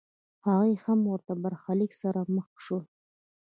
هغوی هم له ورته برخلیک سره مخ شول